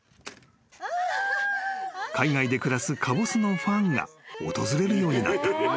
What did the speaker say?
［海外で暮らすかぼすのファンが訪れるようになった］